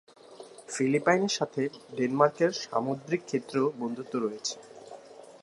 ফিলিপাইনের সাথে ডেনমার্কের সামুদ্রিক ক্ষেত্রেও বন্ধুত্ব রয়েছে।